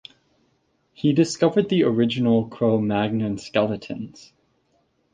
He discovered the original Cro-Magnon skeletons.